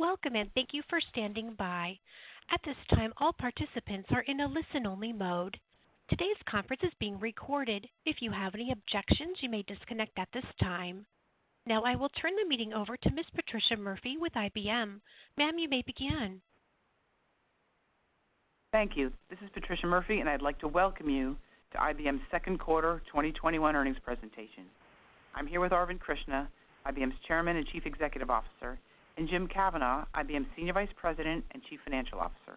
Welcome. Thank you for standing by. At this time, all participants are in a listen-only mode. Today's conference is being recorded. If you have any objections, you may disconnect at this time. I will turn the meeting over to Ms. Patricia Murphy with IBM. Ma'am, you may begin. Thank you. This is Patricia Murphy, and I'd like to welcome you to IBM's second quarter 2021 earnings presentation. I'm here with Arvind Krishna, IBM's Chairman and Chief Executive Officer, and Jim Kavanaugh, IBM's Senior Vice President and Chief Financial Officer.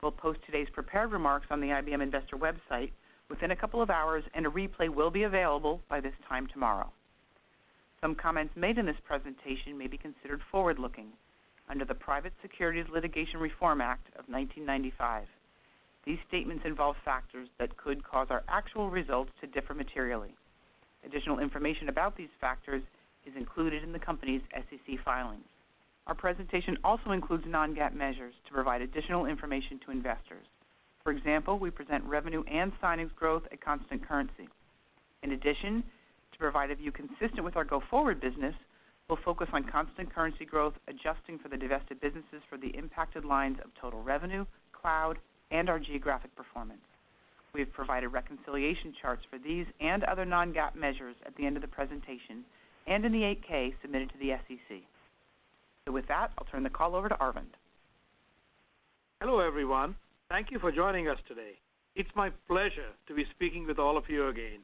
We'll post today's prepared remarks on the IBM Investor website within a couple of hours, and a replay will be available by this time tomorrow. Some comments made in this presentation may be considered forward-looking under the Private Securities Litigation Reform Act of 1995. These statements involve factors that could cause our actual results to differ materially. Additional information about these factors is included in the company's SEC filings. Our presentation also includes non-GAAP measures to provide additional information to investors. For example, we present revenue and signings growth at constant currency. In addition, to provide a view consistent with our go-forward business, we'll focus on constant currency growth, adjusting for the divested businesses for the impacted lines of total revenue, cloud, and our geographic performance. We have provided reconciliation charts for these and other non-GAAP measures at the end of the presentation and in the Form 8-K submitted to the SEC. With that, I'll turn the call over to Arvind. Hello, everyone. Thank you for joining us today. It's my pleasure to be speaking with all of you again.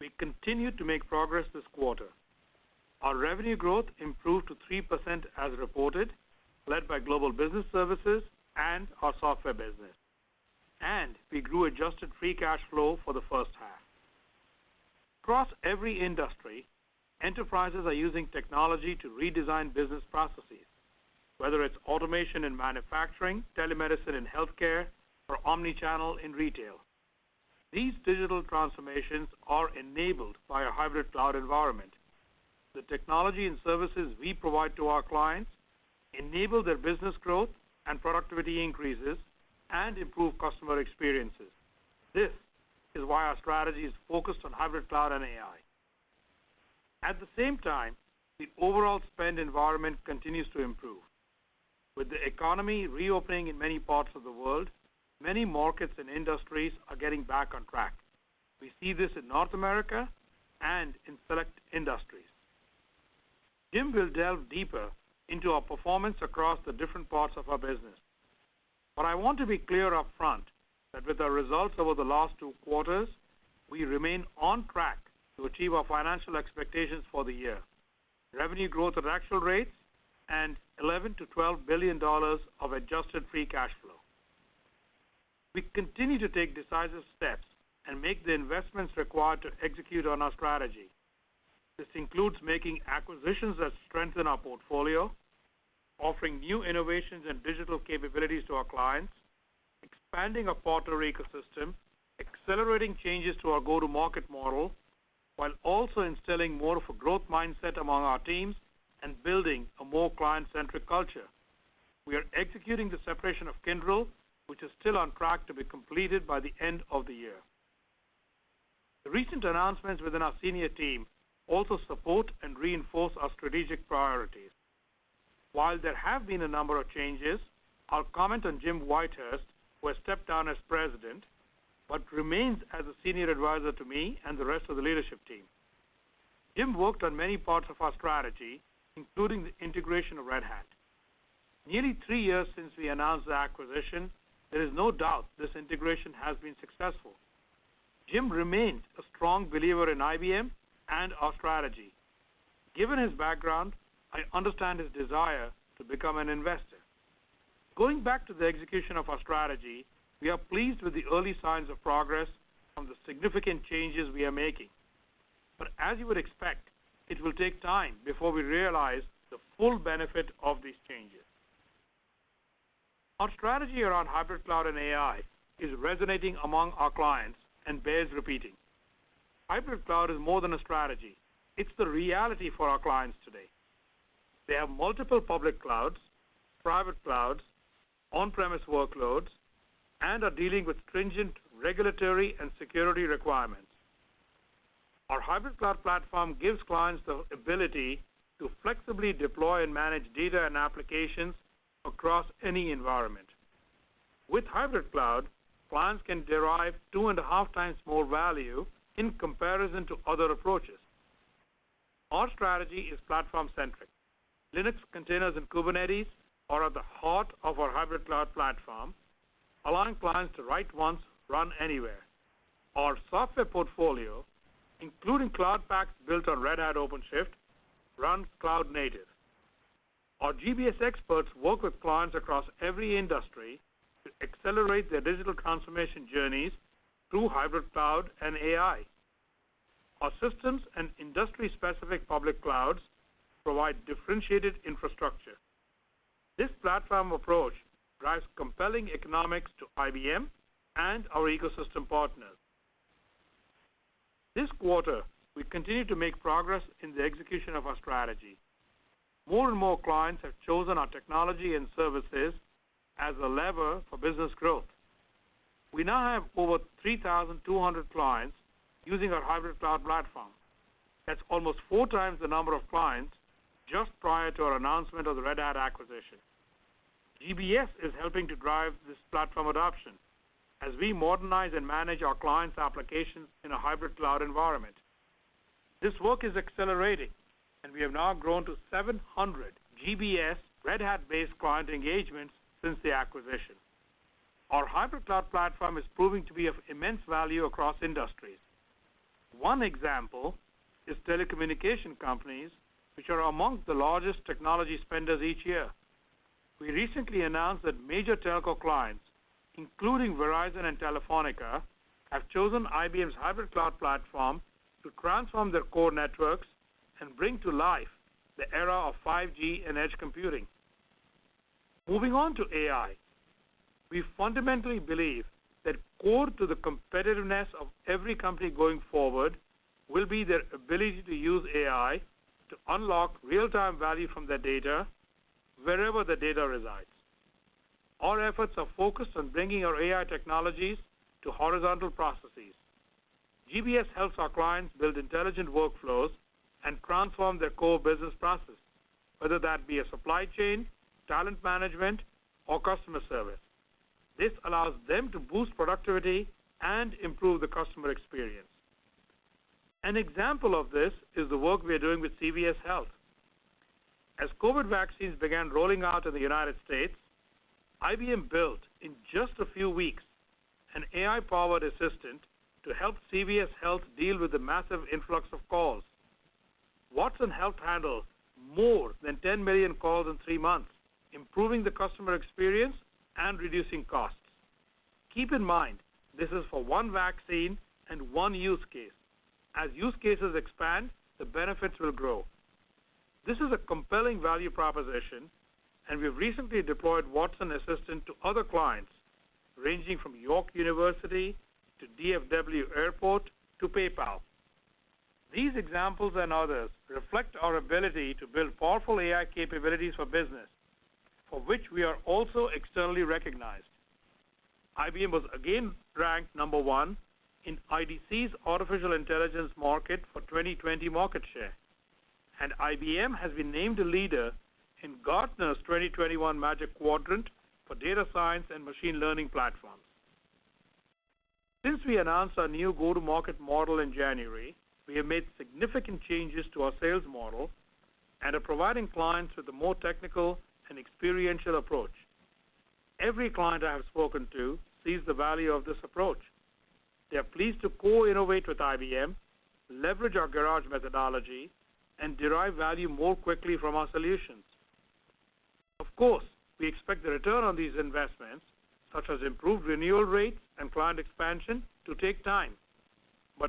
We continued to make progress this quarter. Our revenue growth improved to 3% as reported, led by Global Business Services and our software business. We grew adjusted free cash flow for the first half. Across every industry, enterprises are using technology to redesign business processes, whether it's automation in manufacturing, telemedicine in healthcare, or omnichannel in retail. These digital transformations are enabled by a hybrid cloud environment. The technology and services we provide to our clients enable their business growth and productivity increases and improve customer experiences. This is why our strategy is focused on hybrid cloud and AI. At the same time, the overall spend environment continues to improve. With the economy reopening in many parts of the world, many markets and industries are getting back on track. We see this in North America and in select industries. Jim will delve deeper into our performance across the different parts of our business. I want to be clear upfront that with our results over the last two quarters, we remain on track to achieve our financial expectations for the year, revenue growth at actual rates, and $11 billion-$12 billion of adjusted free cash flow. We continue to take decisive steps and make the investments required to execute on our strategy. This includes making acquisitions that strengthen our portfolio, offering new innovations and digital capabilities to our clients, expanding our partner ecosystem, accelerating changes to our go-to-market model, while also instilling more of a growth mindset among our teams and building a more client-centric culture. We are executing the separation of Kyndryl, which is still on track to be completed by the end of the year. The recent announcements within our senior team also support and reinforce our strategic priorities. While there have been a number of changes, I'll comment on Jim Whitehurst, who has stepped down as president but remains as a senior advisor to me and the rest of the leadership team. Jim worked on many parts of our strategy, including the integration of Red Hat. Nearly three years since we announced the acquisition, there is no doubt this integration has been successful. Jim remains a strong believer in IBM and our strategy. Given his background, I understand his desire to become an investor. Going back to the execution of our strategy, we are pleased with the early signs of progress from the significant changes we are making. As you would expect, it will take time before we realize the full benefit of these changes. Our strategy around hybrid cloud and AI is resonating among our clients and bears repeating. Hybrid cloud is more than a strategy. It's the reality for our clients today. They have multiple public clouds, private clouds, on-premise workloads and are dealing with stringent regulatory and security requirements. Our hybrid cloud platform gives clients the ability to flexibly deploy and manage data and applications across any environment. With hybrid cloud, clients can derive 2.5 times more value in comparison to other approaches. Our strategy is platform-centric. Linux containers and Kubernetes are at the heart of our hybrid cloud platform, allowing clients to write once, run anywhere. Our software portfolio, including Cloud Paks built on Red Hat OpenShift, runs cloud native. Our GBS experts work with clients across every industry to accelerate their digital transformation journeys through hybrid cloud and AI. Our systems and industry-specific public clouds provide differentiated infrastructure. This platform approach drives compelling economics to IBM and our ecosystem partners. This quarter, we continued to make progress in the execution of our strategy. More and more clients have chosen our technology and services as a lever for business growth. We now have over 3,200 clients using our hybrid cloud platform. That's almost four times the number of clients just prior to our announcement of the Red Hat acquisition. GBS is helping to drive this platform adoption as we modernize and manage our clients' applications in a hybrid cloud environment. This work is accelerating, and we have now grown to 700 GBS Red Hat-based client engagements since the acquisition. Our hybrid cloud platform is proving to be of immense value across industries. One example is telecommunication companies, which are amongst the largest technology spenders each year. We recently announced that major telco clients, including Verizon and Telefónica, have chosen IBM's hybrid cloud platform to transform their core networks and bring to life the era of 5G and edge computing. Moving on to AI. We fundamentally believe that core to the competitiveness of every company going forward will be their ability to use AI to unlock real-time value from their data wherever the data resides. Our efforts are focused on bringing our AI technologies to horizontal processes. GBS helps our clients build intelligent workflows and transform their core business processes, whether that be a supply chain, talent management, or customer service. This allows them to boost productivity and improve the customer experience. An example of this is the work we are doing with CVS Health. As COVID vaccines began rolling out in the United States, IBM built, in just a few weeks, an AI-powered assistant to help CVS Health deal with the massive influx of calls. Watson helped handle more than 10 million calls in three months, improving the customer experience and reducing costs. Keep in mind, this is for one vaccine and one use case. As use cases expand, the benefits will grow. This is a compelling value proposition, and we've recently deployed Watson Assistant to other clients, ranging from York University to DFW Airport to PayPal. These examples and others reflect our ability to build powerful AI capabilities for business, for which we are also externally recognized. IBM was again ranked number one in IDC's artificial intelligence market for 2020 market share, and IBM has been named a leader in Gartner's 2021 Magic Quadrant for data science and machine learning platforms. Since we announced our new go-to-market model in January, we have made significant changes to our sales model and are providing clients with a more technical and experiential approach. Every client I have spoken to sees the value of this approach. They are pleased to co-innovate with IBM, leverage our garage methodology, and derive value more quickly from our solutions. Of course, we expect the return on these investments, such as improved renewal rates and client expansion, to take time.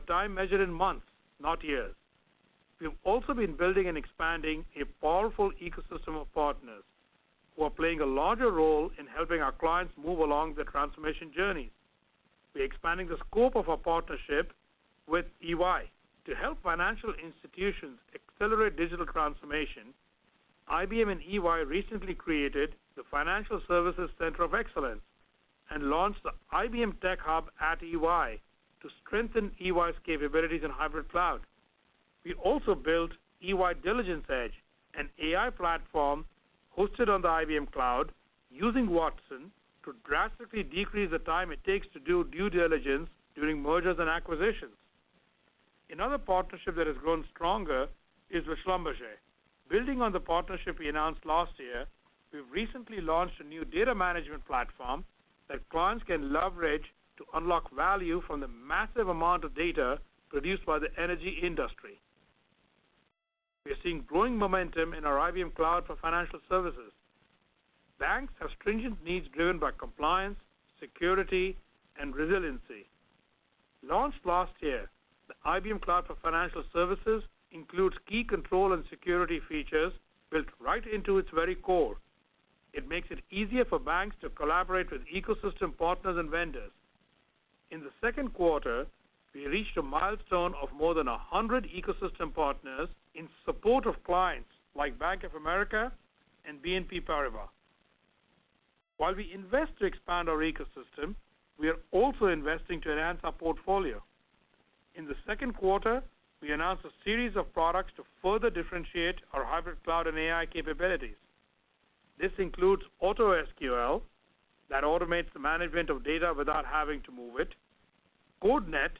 Time measured in months, not years. We've also been building and expanding a powerful ecosystem of partners who are playing a larger role in helping our clients move along their transformation journeys. We're expanding the scope of our partnership with EY to help financial institutions accelerate digital transformation. IBM and EY recently created the Financial Services Center of Excellence and launched the IBM TechHub@EY to strengthen EY's capabilities in hybrid cloud. We also built EY Diligence Edge, an AI platform hosted on the IBM Cloud using Watson to drastically decrease the time it takes to do due diligence during mergers and acquisitions. Another partnership that has grown stronger is with Schlumberger. Building on the partnership we announced last year, we've recently launched a new data management platform that clients can leverage to unlock value from the massive amount of data produced by the energy industry. We are seeing growing momentum in our IBM Cloud for Financial Services. Banks have stringent needs driven by compliance, security, and resiliency. Launched last year, the IBM Cloud for Financial Services includes key control and security features built right into its very core. It makes it easier for banks to collaborate with ecosystem partners and vendors. In the second quarter, we reached a milestone of more than 100 ecosystem partners in support of clients like Bank of America and BNP Paribas. While we invest to expand our ecosystem, we are also investing to enhance our portfolio. In the second quarter, we announced a series of products to further differentiate our hybrid cloud and AI capabilities. This includes AutoSQL that automates the management of data without having to move it, CodeNet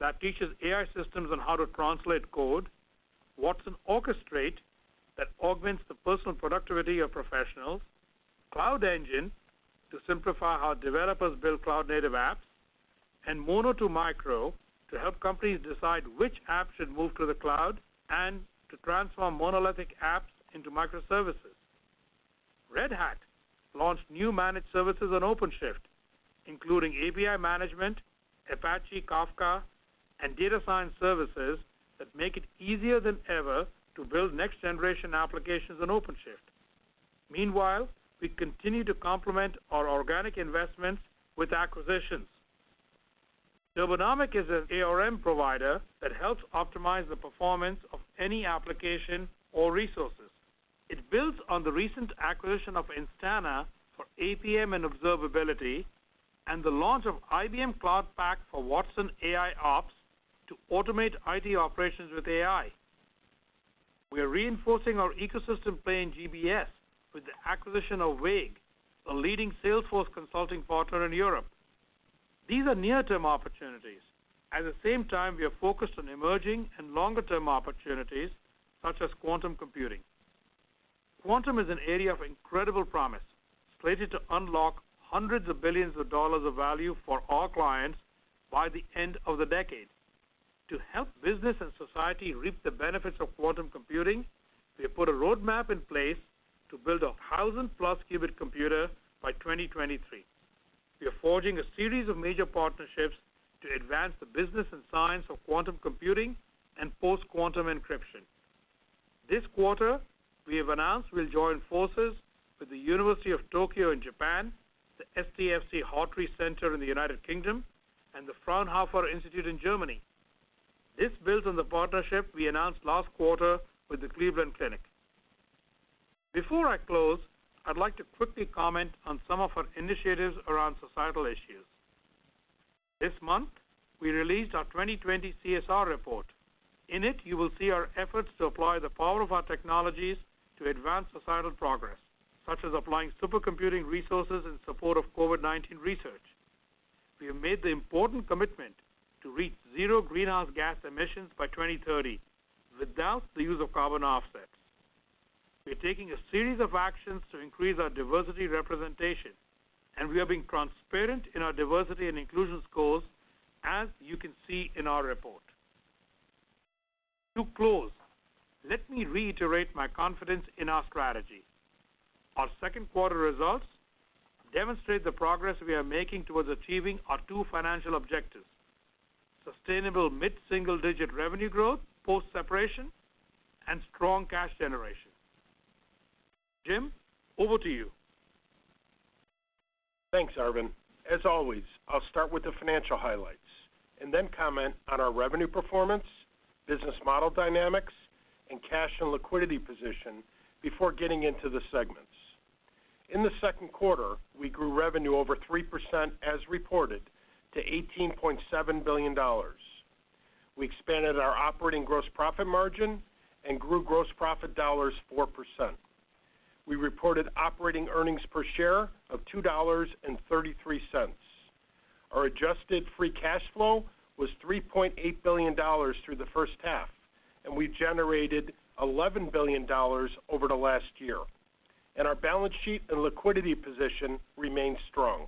that teaches AI systems on how to translate code, Watson Orchestrate that augments the personal productivity of professionals, Cloud Engine to simplify how developers build cloud-native apps, and Mono2Micro to help companies decide which apps should move to the cloud and to transform monolithic apps into microservices. Red Hat launched new managed services on OpenShift, including API management, Apache Kafka, and data science services that make it easier than ever to build next-generation applications on OpenShift. We continue to complement our organic investments with acquisitions. Turbonomic is an ARM provider that helps optimize the performance of any application or resources. It builds on the recent acquisition of Instana for APM and observability and the launch of IBM Cloud Pak for Watson AIOps to automate IT operations with AI. We are reinforcing our ecosystem play in GBS with the acquisition of Waeg, a leading Salesforce consulting partner in Europe. These are near-term opportunities. We are focused on emerging and longer-term opportunities, such as quantum computing. Quantum is an area of incredible promise, slated to unlock hundreds of billions of dollars of value for our clients by the end of the decade. To help business and society reap the benefits of quantum computing, we have put a roadmap in place to build a 1,000+ qubit computer by 2023. We are forging a series of major partnerships to advance the business and science of quantum computing and post-quantum encryption. This quarter, we have announced we will join forces with the University of Tokyo in Japan, the STFC Hartree Centre in the United Kingdom, and the Fraunhofer Institute in Germany. This builds on the partnership we announced last quarter with the Cleveland Clinic. Before I close, I would like to quickly comment on some of our initiatives around societal issues. This month, we released our 2020 CSR report. In it, you will see our efforts to apply the power of our technologies to advance societal progress, such as applying supercomputing resources in support of COVID-19 research. We have made the important commitment to reach zero greenhouse gas emissions by 2030 without the use of carbon offsets. We are taking a series of actions to increase our diversity representation, and we are being transparent in our diversity and inclusion scores, as you can see in our report. To close, let me reiterate my confidence in our strategy. Our second quarter results demonstrate the progress we are making towards achieving our two financial objectives: sustainable mid-single-digit revenue growth post-separation and strong cash generation. Jim, over to you. Thanks, Arvind. As always, I'll start with the financial highlights and then comment on our revenue performance, business model dynamics, and cash and liquidity position before getting into the segments. In the second quarter, we grew revenue over 3% as reported to $18.7 billion. We expanded our operating gross profit margin and grew gross profit dollars 4%. We reported operating earnings per share of $2.33. Our adjusted free cash flow was $3.8 billion through the first half, and we've generated $11 billion over the last year, and our balance sheet and liquidity position remain strong.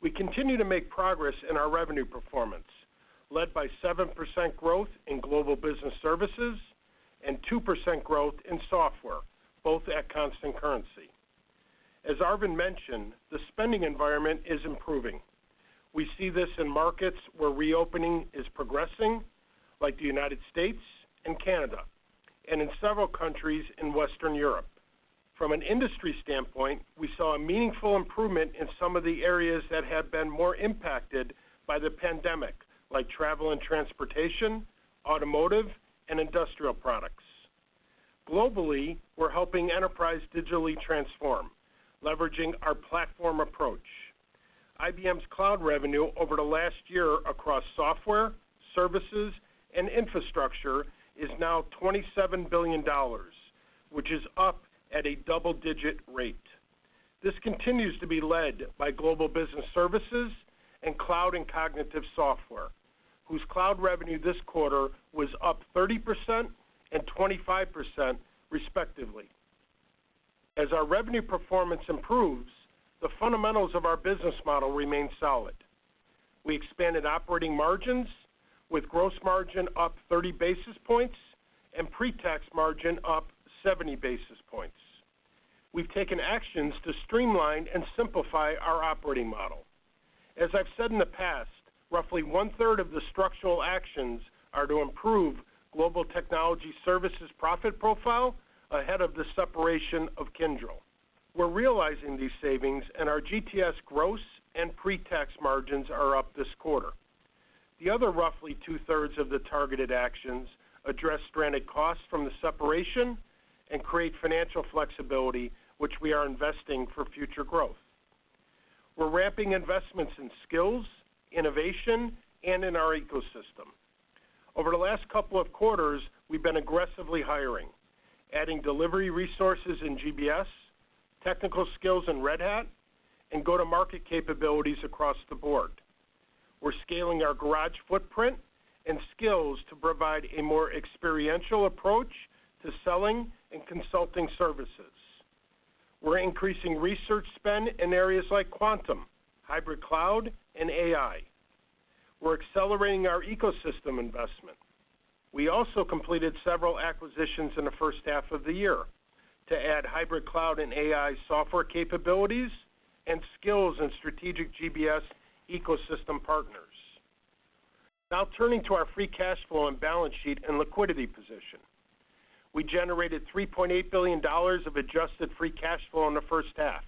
We continue to make progress in our revenue performance, led by 7% growth in Global Business Services and 2% growth in software, both at constant currency. As Arvind mentioned, the spending environment is improving. We see this in markets where reopening is progressing, like the United States and Canada, and in several countries in Western Europe. From an industry standpoint, we saw a meaningful improvement in some of the areas that have been more impacted by the pandemic, like travel and transportation, automotive, and industrial products. Globally, we're helping enterprise digitally transform, leveraging our platform approach. IBM's cloud revenue over the last year across software, services, and infrastructure is now $27 billion, which is up at a double-digit rate. This continues to be led by Global Business Services and Cloud & Cognitive Software, whose cloud revenue this quarter was up 30% and 25%, respectively. As our revenue performance improves, the fundamentals of our business model remain solid. We expanded operating margins with gross margin up 30 basis points and pre-tax margin up 70 basis points. We've taken actions to streamline and simplify our operating model. As I've said in the past, roughly 1/3 of the structural actions are to improve Global Technology Services' profit profile ahead of the separation of Kyndryl. We're realizing these savings, and our GTS gross and pre-tax margins are up this quarter. The other roughly 2/3 of the targeted actions address stranded costs from the separation and create financial flexibility, which we are investing for future growth. We're ramping investments in skills, innovation, and in our ecosystem. Over the last couple of quarters, we've been aggressively hiring, adding delivery resources in GBS, technical skills in Red Hat, and go-to-market capabilities across the board. We're scaling our garage footprint and skills to provide a more experiential approach to selling and consulting services. We're increasing research spend in areas like quantum, hybrid cloud, and AI. We're accelerating our ecosystem investment. We also completed several acquisitions in the first half of the year to add hybrid cloud and AI software capabilities and skills in strategic GBS ecosystem partners. Turning to our free cash flow and balance sheet and liquidity position. We generated $3.8 billion of adjusted free cash flow in the first half.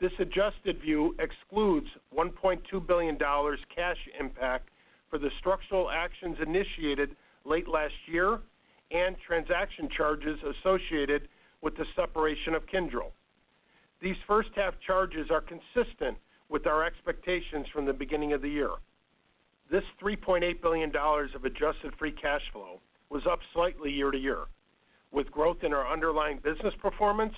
This adjusted view excludes $1.2 billion cash impact for the structural actions initiated late last year and transaction charges associated with the separation of Kyndryl. These first-half charges are consistent with our expectations from the beginning of the year. This $3.8 billion of adjusted free cash flow was up slightly year-to-year, with growth in our underlying business performance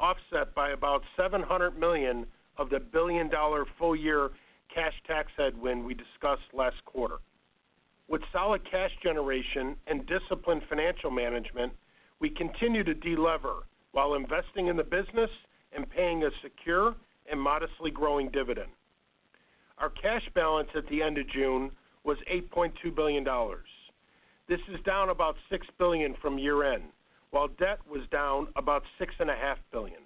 offset by about $700 million of the billion-dollar full-year cash tax headwind we discussed last quarter. With solid cash generation and disciplined financial management, we continue to de-lever while investing in the business and paying a secure and modestly growing dividend. Our cash balance at the end of June was $8.2 billion. This is down about $6 billion from year-end, while debt was down about $6.5 billion.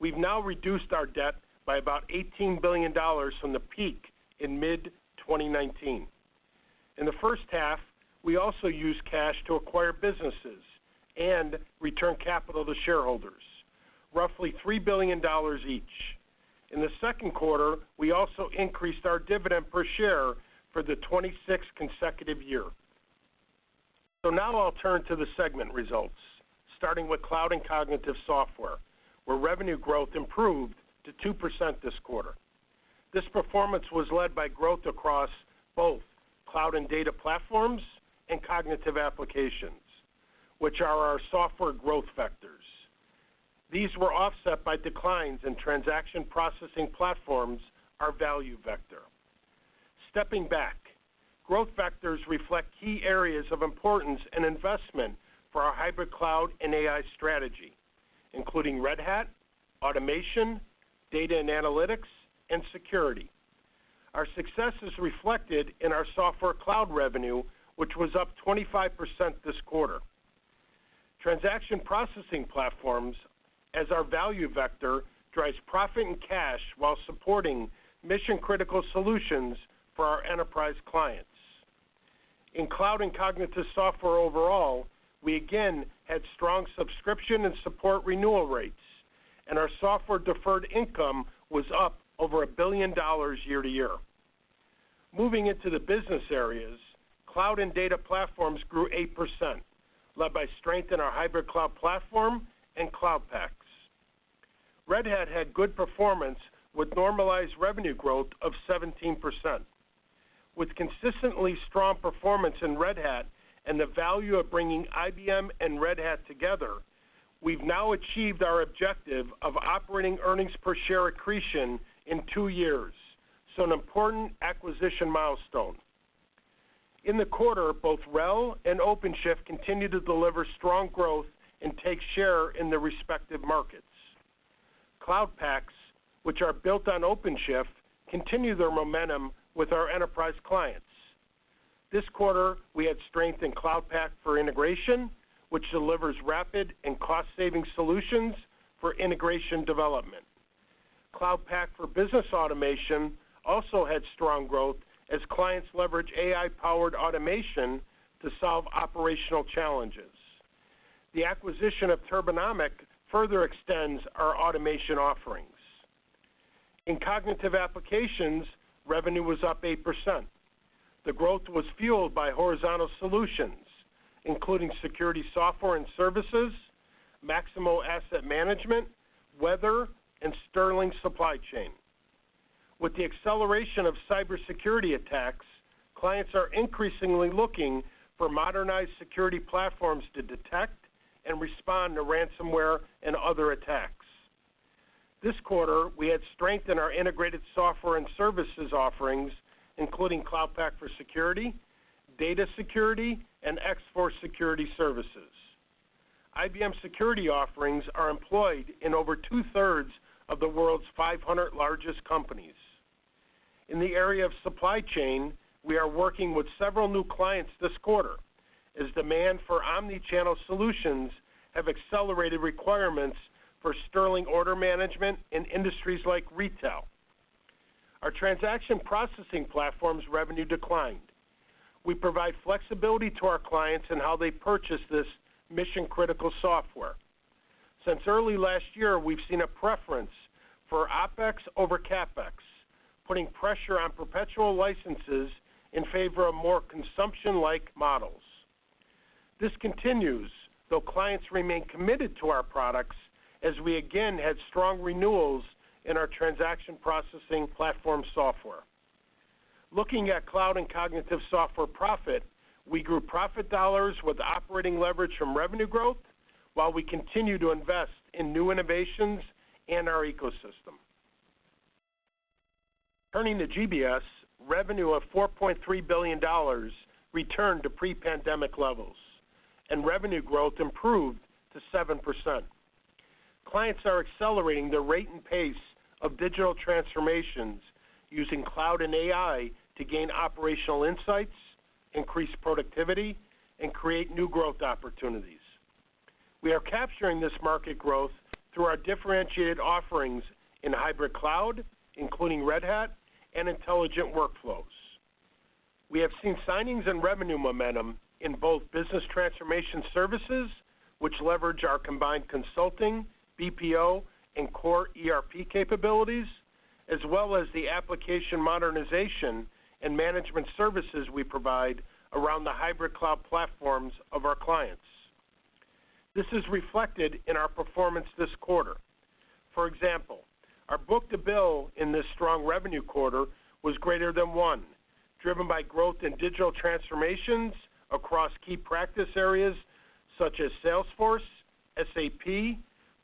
We've now reduced our debt by about $18 billion from the peak in mid-2019. In the first half, we also used cash to acquire businesses and return capital to shareholders, roughly $3 billion each. In the second quarter, we also increased our dividend per share for the 26th consecutive year. Now I'll turn to the segment results, starting with Cloud & Cognitive Software, where revenue growth improved to 2% this quarter. This performance was led by growth across both Cloud and Data Platforms and Cognitive Applications, which are our software growth vectors. These were offset by declines in transaction processing platforms, our value vector. Stepping back, growth vectors reflect key areas of importance and investment for our hybrid cloud and AI strategy, including Red Hat, automation, data and analytics, and security. Our success is reflected in our software cloud revenue, which was up 25% this quarter. Transaction processing platforms as our value vector drives profit and cash while supporting mission-critical solutions for our enterprise clients. In Cloud and Cognitive Software overall, we again had strong subscription and support renewal rates. Our software deferred income was up over $1 billion year-to-year. Moving into the business areas, cloud and data platforms grew 8%, led by strength in our hybrid cloud platform and Cloud Paks. Red Hat had good performance with normalized revenue growth of 17%. With consistently strong performance in Red Hat and the value of bringing IBM and Red Hat together, we've now achieved our objective of operating earnings per share accretion in two years, an important acquisition milestone. In the quarter, both RHEL and OpenShift continued to deliver strong growth and take share in their respective markets. Cloud Paks, which are built on OpenShift, continue their momentum with our enterprise clients. This quarter, we had strength in Cloud Pak for Integration, which delivers rapid and cost-saving solutions for integration development. Cloud Pak for Business Automation also had strong growth as clients leverage AI-powered automation to solve operational challenges. The acquisition of Turbonomic further extends our automation offerings. In Cognitive Applications, revenue was up 8%. The growth was fueled by horizontal solutions, including security software and services, Maximo Asset Management, weather, and Sterling Supply Chain. With the acceleration of cybersecurity attacks, clients are increasingly looking for modernized security platforms to detect and respond to ransomware and other attacks. This quarter, we had strength in our integrated software and services offerings, including Cloud Pak for Security, Data Security Solutions, and X-Force Security Services. IBM security offerings are employed in over 2/3 of the world's 500 largest companies. In the area of supply chain, we are working with several new clients this quarter, as demand for omnichannel solutions have accelerated requirements for Sterling Order Management in industries like retail. Our transaction processing platforms' revenue declined. We provide flexibility to our clients in how they purchase this mission-critical software. Since early last year, we've seen a preference for OpEx over CapEx, putting pressure on perpetual licenses in favor of more consumption-like models. This continues, though clients remain committed to our products as we again had strong renewals in our transaction processing platform software. Looking at Cloud & Cognitive Software profit, we grew profit dollars with operating leverage from revenue growth, while we continue to invest in new innovations in our ecosystem. Turning to GBS, revenue of $4.3 billion returned to pre-pandemic levels, and revenue growth improved to 7%. Clients are accelerating their rate and pace of digital transformations using cloud and AI to gain operational insights, increase productivity, and create new growth opportunities. We are capturing this market growth through our differentiated offerings in hybrid cloud, including Red Hat and intelligent workflows. We have seen signings and revenue momentum in both business transformation services, which leverage our combined consulting, BPO, and core ERP capabilities, as well as the application modernization and management services we provide around the hybrid cloud platforms of our clients. This is reflected in our performance this quarter. For example, our book-to-bill in this strong revenue quarter was greater than one, driven by growth in digital transformations across key practice areas such as Salesforce, SAP,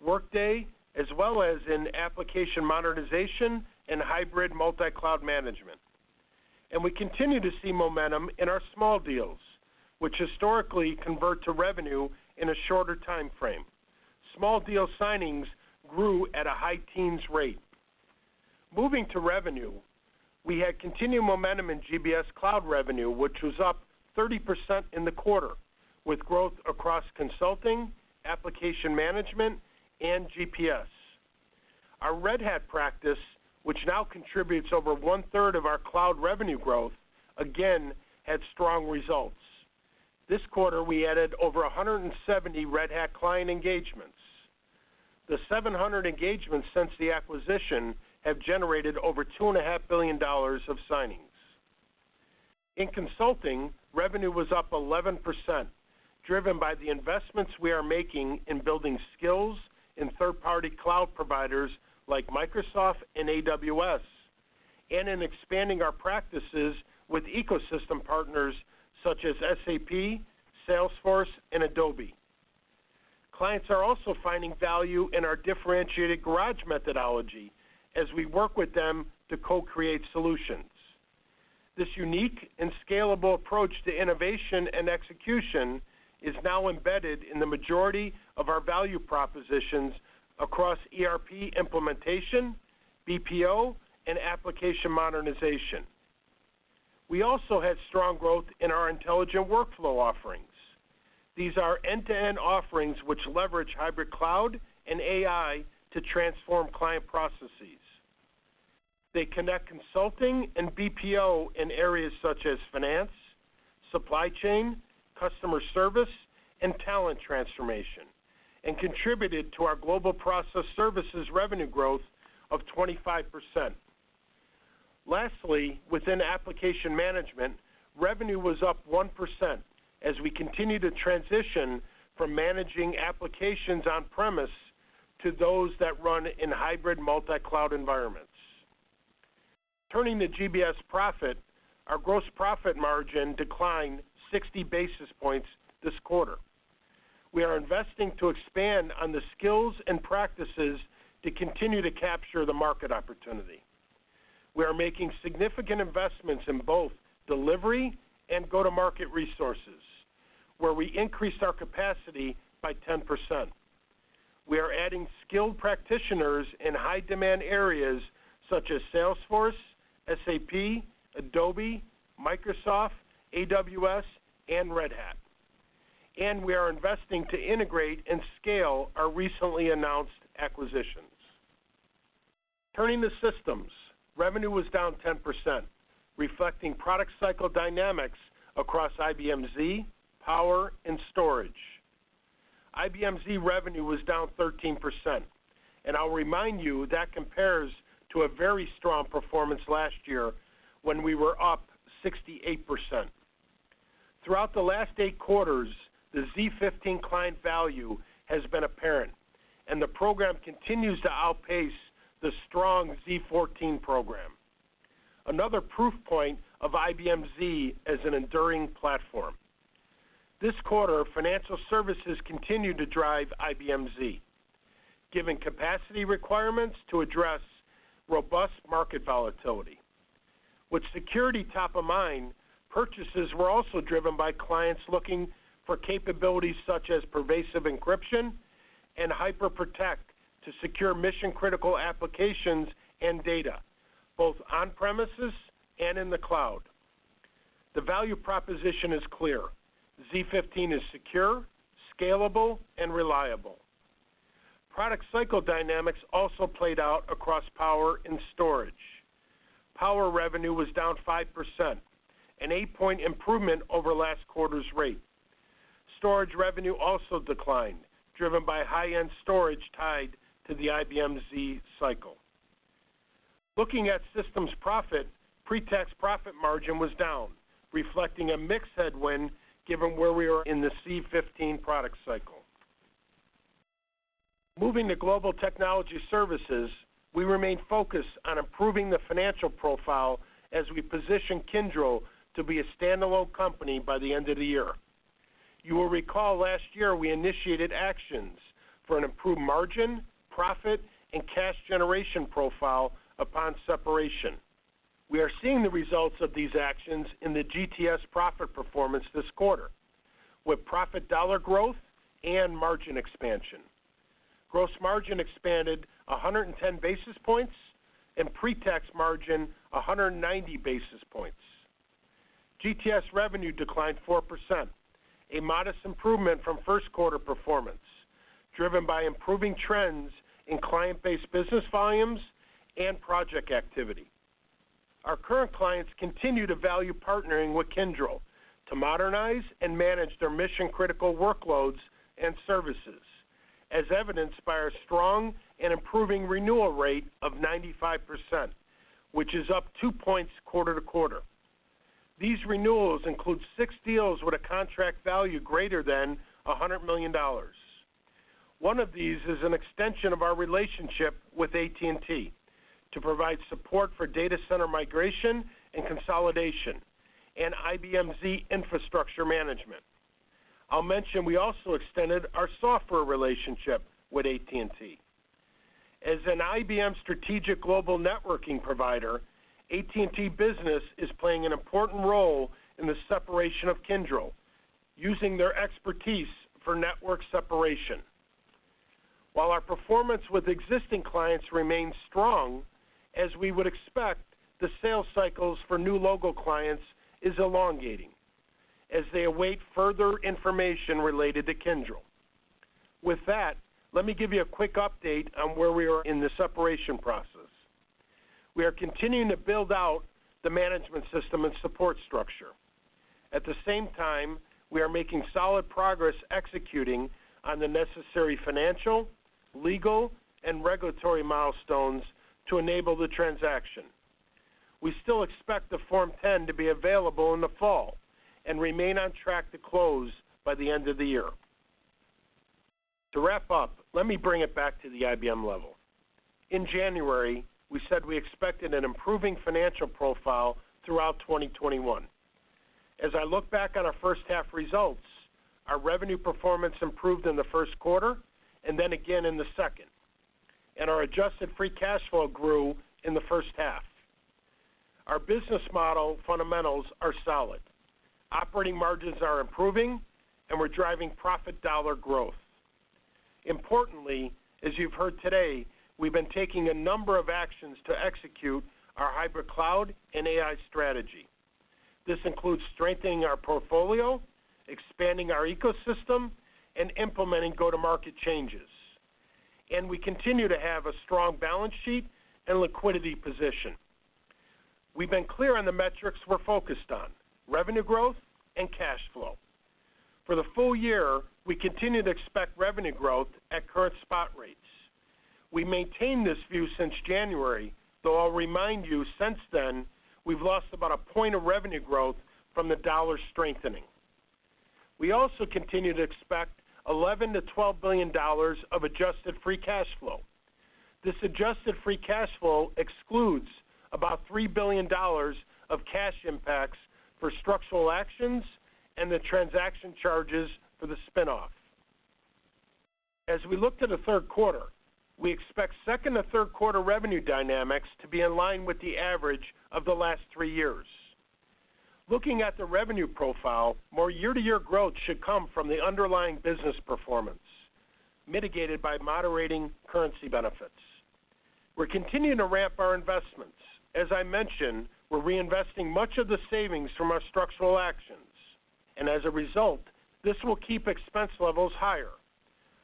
Workday, as well as in application modernization and hybrid multi-cloud management. We continue to see momentum in our small deals, which historically convert to revenue in a shorter timeframe. Small deal signings grew at a high teens rate. Moving to revenue, we had continued momentum in GBS cloud revenue, which was up 30% in the quarter, with growth across consulting, application management, and GBS. Our Red Hat practice, which now contributes over 1/3 of our cloud revenue growth, again, had strong results. This quarter, we added over 170 Red Hat client engagements. The 700 engagements since the acquisition have generated over $2.5 billion of signings. In consulting, revenue was up 11%, driven by the investments we are making in building skills in third-party cloud providers like Microsoft and AWS, and in expanding our practices with ecosystem partners such as SAP, Salesforce, and Adobe. Clients are also finding value in our differentiated garage methodology as we work with them to co-create solutions. This unique and scalable approach to innovation and execution is now embedded in the majority of our value propositions across ERP implementation, BPO, and application modernization. We also had strong growth in our intelligent workflow offerings. These are end-to-end offerings which leverage hybrid cloud and AI to transform client processes. They connect consulting and BPO in areas such as finance, supply chain, customer service, and talent transformation, and contributed to our global process services revenue growth of 25%. Lastly, within application management, revenue was up 1% as we continue to transition from managing applications on-premise to those that run in hybrid multi-cloud environments. Turning to GBS profit, our gross profit margin declined 60 basis points this quarter. We are investing to expand on the skills and practices to continue to capture the market opportunity. We are making significant investments in both delivery and go-to-market resources, where we increased our capacity by 10%. We are adding skilled practitioners in high-demand areas such as Salesforce, SAP, Adobe, Microsoft, AWS, and Red Hat. We are investing to integrate and scale our recently announced acquisitions. Turning to systems, revenue was down 10%, reflecting product cycle dynamics across IBM Z, IBM Power, and IBM Storage. IBM Z revenue was down 13%. I'll remind you that compares to a very strong performance last year when we were up 68%. Throughout the last eight quarters, the z15 client value has been apparent, and the program continues to outpace the strong z14 program, another proof point of IBM Z as an enduring platform. This quarter, financial services continued to drive IBM Z, giving capacity requirements to address robust market volatility. With security top of mind, purchases were also driven by clients looking for capabilities such as pervasive encryption and Hyper Protect to secure mission-critical applications and data, both on-premises and in the cloud. The value proposition is clear. z15 is secure, scalable, and reliable. Product cycle dynamics also played out across IBM Power and IBM Storage. Power revenue was down 5%, an eight-point improvement over last quarter's rate. Storage revenue also declined, driven by high-end storage tied to the IBM Z cycle. Looking at systems profit, pre-tax profit margin was down, reflecting a mix headwind given where we are in the z15 product cycle. Moving to Global Technology Services, we remain focused on improving the financial profile as we position Kyndryl to be a standalone company by the end of the year. You will recall last year we initiated actions for an improved margin, profit, and cash generation profile upon separation. We are seeing the results of these actions in the GTS profit performance this quarter, with profit dollar growth and margin expansion. Gross margin expanded 110 basis points and pre-tax margin 190 basis points. GTS revenue declined 4%, a modest improvement from first quarter performance, driven by improving trends in client-based business volumes and project activity. Our current clients continue to value partnering with Kyndryl to modernize and manage their mission-critical workloads and services, as evidenced by our strong and improving renewal rate of 95%, which is up two points quarter-to-quarter. These renewals include six deals with a contract value greater than $100 million. One of these is an extension of our relationship with AT&T to provide support for data center migration and consolidation and IBM Z infrastructure management. I'll mention we also extended our software relationship with AT&T. As an IBM strategic global networking provider, AT&T Business is playing an important role in the separation of Kyndryl, using their expertise for network separation. While our performance with existing clients remains strong, as we would expect, the sales cycles for new logo clients is elongating as they await further information related to Kyndryl. Let me give you a quick update on where we are in the separation process. We are continuing to build out the management system and support structure. We are making solid progress executing on the necessary financial, legal, and regulatory milestones to enable the transaction. We still expect the Form 10 to be available in the fall and remain on track to close by the end of the year. Let me bring it back to the IBM level. In January, we said we expected an improving financial profile throughout 2021. Our first half results, our revenue performance improved in the first quarter and again in the second, and our adjusted free cash flow grew in the first half. Our business model fundamentals are solid. Operating margins are improving, and we're driving profit dollar growth. Importantly, as you've heard today, we've been taking a number of actions to execute our hybrid cloud and AI strategy. This includes strengthening our portfolio, expanding our ecosystem, and implementing go-to-market changes. We continue to have a strong balance sheet and liquidity position. We've been clear on the metrics we're focused on, revenue growth and cash flow. For the full year, we continue to expect revenue growth at current spot rates. We maintained this view since January, though I'll remind you, since then, we've lost about point of revenue growth from the dollar strengthening. We also continue to expect $11 billion-$12 billion of adjusted free cash flow. This adjusted free cash flow excludes about $3 billion of cash impacts for structural actions and the transaction charges for the spin-off. As we look to the third quarter, we expect second-to-third quarter revenue dynamics to be in line with the average of the last three years. Looking at the revenue profile, more year-to-year growth should come from the underlying business performance, mitigated by moderating currency benefits. We're continuing to ramp our investments. As I mentioned, we're reinvesting much of the savings from our structural actions. As a result, this will keep expense levels higher.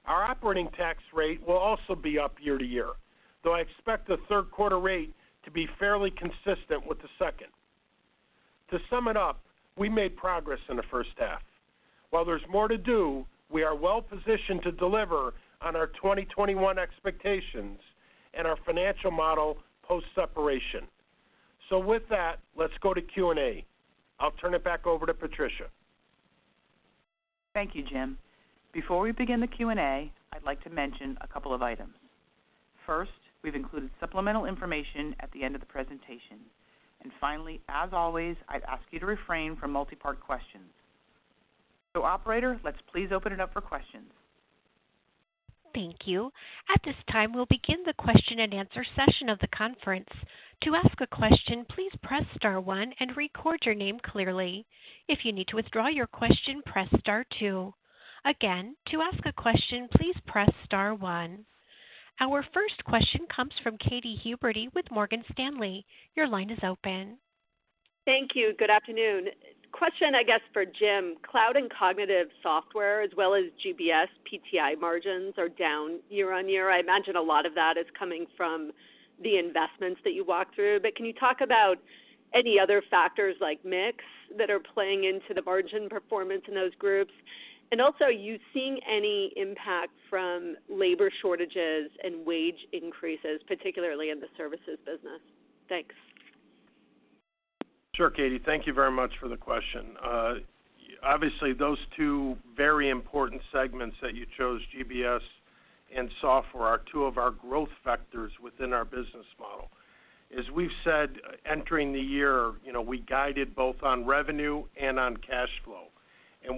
Our operating tax rate will also be up year to year, though I expect the third quarter rate to be fairly consistent with the second. To sum it up, we made progress in the first half. While there's more to do, we are well-positioned to deliver on our 2021 expectations and our financial model post-separation. With that, let's go to Q&A. I'll turn it back over to Patricia. Thank you, Jim. Before we begin the Q&A, I'd like to mention a couple of items. First, we've included supplemental information at the end of the presentation. Finally, as always, I'd ask you to refrain from multi-part questions. Operator, let's please open it up for questions. Thank you. At this time, we'll begin the question and answer session of the conference. To ask a question, please press star one and record your name clearly. If you need to withdraw your question, press star two. Again, to ask a question, please press star one. Our first question comes from Katy Huberty with Morgan Stanley. Your line is open. Thank you. Good afternoon. Question, I guess, for Jim. Cloud & Cognitive Software, as well as GBS, PTI margins are down year-over-year. I imagine a lot of that is coming from the investments that you walked through, but can you talk about any other factors like mix that are playing into the margin performance in those groups? Also, are you seeing any impact from labor shortages and wage increases, particularly in the services business? Thanks. Sure, Katy. Thank you very much for the question. Obviously, those two very important segments that you chose, GBS and software, are two of our growth vectors within our business model. As we've said entering the year, we guided both on revenue and on cash flow,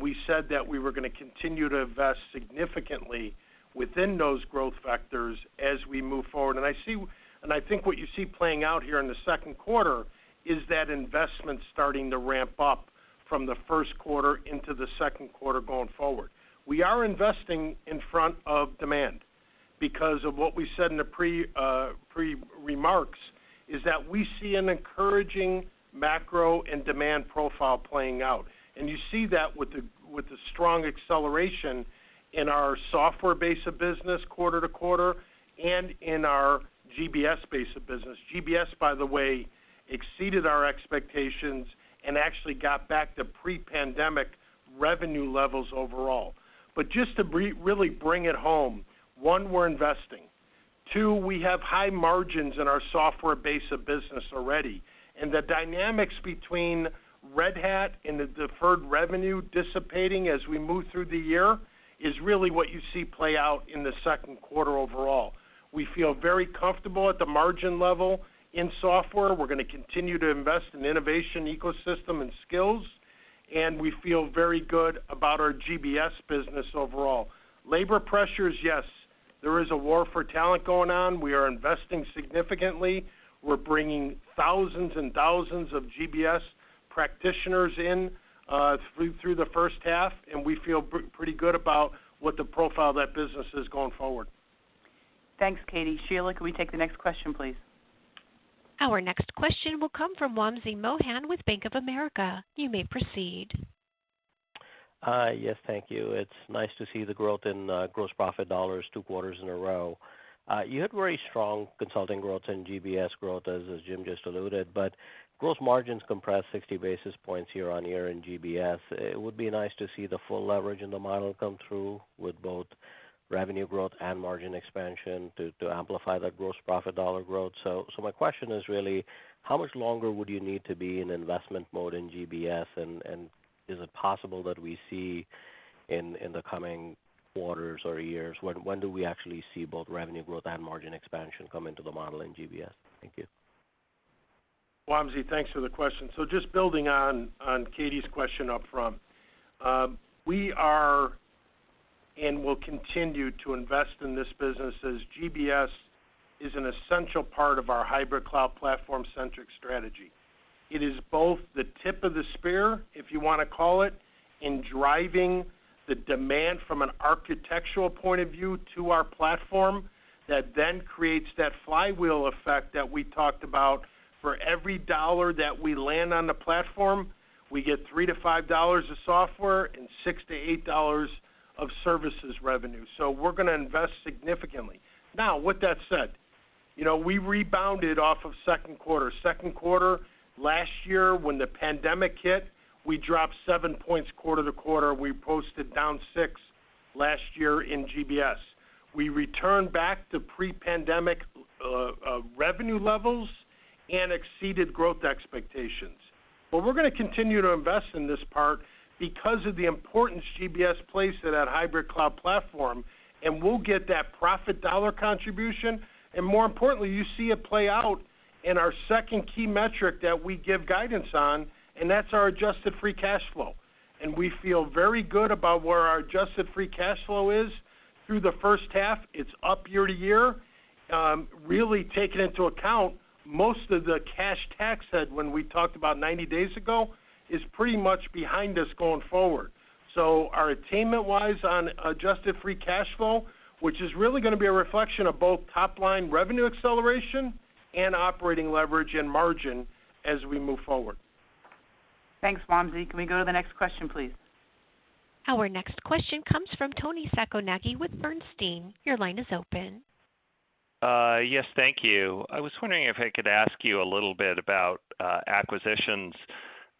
we said that we were going to continue to invest significantly within those growth vectors as we move forward. I think what you see playing out here in the second quarter is that investment starting to ramp up from the first quarter into the second quarter going forward. We are investing in front of demand because of what we said in the pre-remarks, is that we see an encouraging macro and demand profile playing out. You see that with the strong acceleration in our software base of business quarter-to-quarter, and in our GBS base of business. GBS, by the way, exceeded our expectations and actually got back to pre-pandemic revenue levels overall. Just to really bring it home, one, we're investing. Two we have high margins in our software base of business already, the dynamics between Red Hat and the deferred revenue dissipating as we move through the year is really what you see play out in the second quarter overall. We feel very comfortable at the margin level in software. We're going to continue to invest in innovation ecosystem and skills, we feel very good about our GBS business overall. Labor pressures, yes. There is a war for talent going on. We are investing significantly. We're bringing thousands and thousands of GBS practitioners in through the first half, we feel pretty good about what the profile of that business is going forward. Thanks, Katy. Sheila, can we take the next question, please? Our next question will come from Wamsi Mohan with Bank of America. You may proceed. Yes, thank you. It's nice to see the growth in gross profit dollars two quarters in a row. You had very strong consulting growth and GBS growth, as Jim just alluded. Gross margins compressed 60 basis points year-on-year in GBS. It would be nice to see the full leverage in the model come through with both revenue growth and margin expansion to amplify that gross profit dollar growth. My question is really, how much longer would you need to be in investment mode in GBS? Is it possible that we see in the coming quarters or years, when do we actually see both revenue growth and margin expansion come into the model in GBS? Thank you. Wamsi, thanks for the question. Just building on Katy's question up front. We are and will continue to invest in this business as GBS is an essential part of our hybrid cloud platform-centric strategy. It is both the tip of the spear, if you want to call it, in driving the demand from an architectural point of view to our platform that then creates that flywheel effect that we talked about for every dollar that we land on the platform, we get $3- $5 of software and $6-$8 of services revenue. We're going to invest significantly. Now, with that said, we rebounded off of second quarter. Second quarter last year, when the pandemic hit, we dropped seven points quarter-to-quarter. We posted down six last year in GBS. We returned back to pre-pandemic revenue levels and exceeded growth expectations. We're going to continue to invest in this part because of the importance GBS plays to that hybrid cloud platform, and we'll get that profit dollar contribution. More importantly, you see it play out in our second key metric that we give guidance on, and that's our adjusted free cash flow. We feel very good about where our adjusted free cash flow is through the first half. It's up year to year. Really taking into account most of the cash tax that when we talked about 90 days ago is pretty much behind us going forward. Our attainment-wise on adjusted free cash flow, which is really going to be a reflection of both top-line revenue acceleration and operating leverage and margin as we move forward. Thanks, Wamsi. Can we go to the next question, please? Our next question comes from Toni Sacconaghi with Bernstein. Your line is open. Yes, thank you. I was wondering if I could ask you a little bit about acquisitions.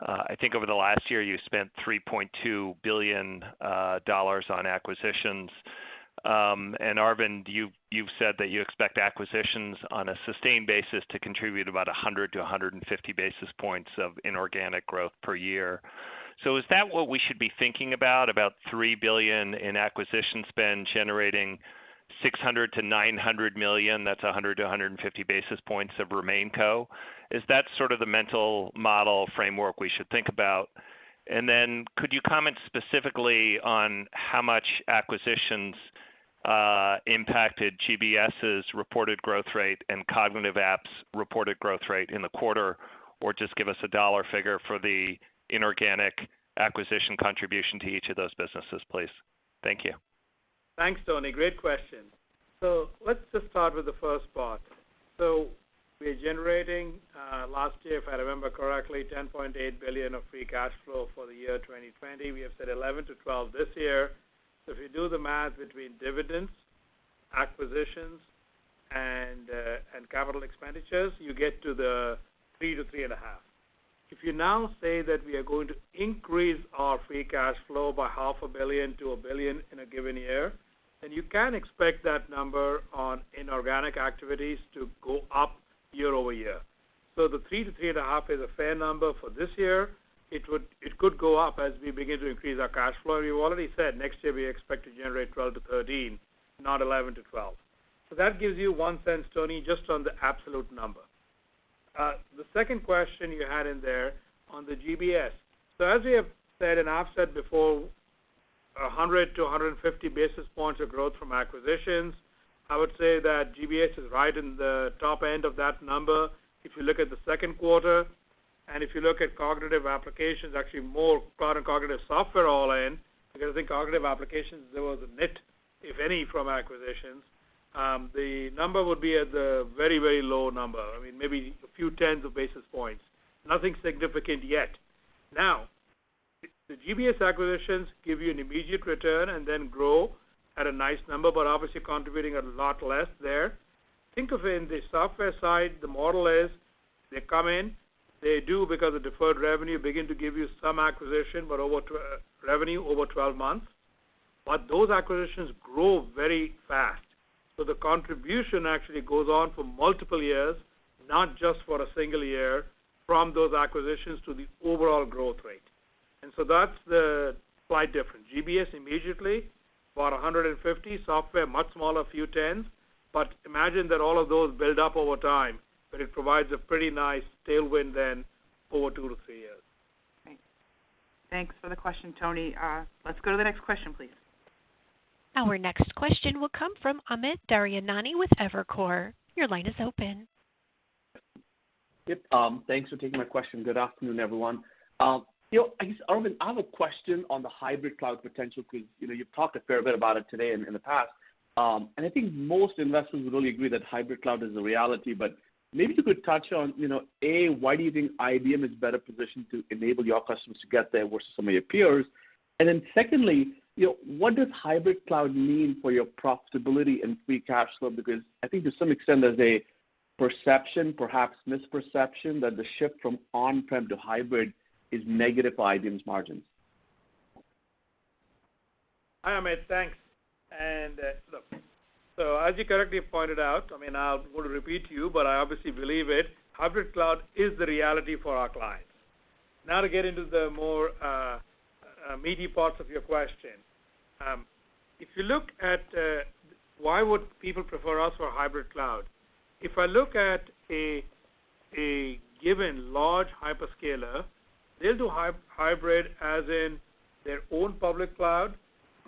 I think over the last year, you spent $3.2 billion on acquisitions. Arvind, you've said that you expect acquisitions on a sustained basis to contribute about 100-150 basis points of inorganic growth per year. Is that what we should be thinking about $3 billion in acquisition spend generating $600 million-$900 million, that's 100-150 basis points of RemainCo? Is that sort of the mental model framework we should think about? Could you comment specifically on how much acquisitions impacted GBS's reported growth rate and Cognitive Apps' reported growth rate in the quarter? Just give us a dollar figure for the inorganic acquisition contribution to each of those businesses, please. Thank you. Thanks, Toni. Great question. Let's just start with the first part. We're generating, last year, if I remember correctly, $10.8 billion of free cash flow for the year 2020. We have said $11 billion-$12 billion this year. If you do the math between dividends, acquisitions, and capital expenditures, you get to the $3 billion-$3.5 billion. If you now say that we are going to increase our free cash flow by $0.5 billion-$1 billion in a given year, then you can expect that number on inorganic activities to go up year-over-year. The $3 billion-$3.5 billion is a fair number for this year. It could go up as we begin to increase our cash flow. You already said next year we expect to generate $12 billion-$13 billion, not $11 billion-$12 billion. That gives you one sense, Toni, just on the absolute number. The second question you had in there on the GBS. As we have said, and I've said before, 100-150 basis points of growth from acquisitions. I would say that GBS is right in the top end of that number. If you look at the second quarter. If you look at Cognitive Applications, actually more product cognitive software all in, because I think Cognitive Applications, there was a net, if any, from acquisitions. The number would be at the very, very low number. Maybe a few tens of basis points. Nothing significant yet. The GBS acquisitions give you an immediate return and then grow at a nice number, but obviously contributing a lot less there. Think of it in the software side, the model is they come in, they do, because the deferred revenue begin to give you some acquisition, but revenue over 12 months. Those acquisitions grow very fast. The contribution actually goes on for multiple years, not just for a single year, from those acquisitions to the overall growth rate. That's the slight difference. GBS immediately about 150 basis points. Software, much smaller, few tens. Imagine that all of those build up over time, but it provides a pretty nice tailwind then over two-three years. Thanks. Thanks for the question, Toni. Let's go to the next question, please. Our next question will come from Amit Daryanani with Evercore. Your line is open. Yep. Thanks for taking my question. Good afternoon, everyone. I guess, Arvind, I have a question on the hybrid cloud potential because you've talked a fair bit about it today and in the past. I think most investors would really agree that hybrid cloud is a reality, but maybe you could touch on, A, why do you think IBM is better positioned to enable your customers to get there versus some of your peers? Then secondly, what does hybrid cloud mean for your profitability and free cash flow? Because I think to some extent there's a perception, perhaps misperception, that the shift from on-prem to hybrid is negative for IBM's margins. Hi, Amit. Thanks. As you correctly pointed out, I mean, I will repeat you, but I obviously believe it, hybrid cloud is the reality for our clients. Now to get into the more meaty parts of your question. If you look at why would people prefer us for hybrid cloud, if I look at a given large hyperscaler, they'll do hybrid as in their own public cloud